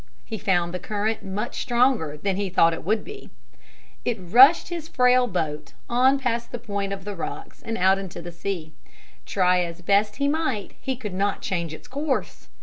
He found the current much stronger than he thought it would be. It rushed his frail boat on past the point of the rocks and out into the sea. Try as best he might he could not change its course.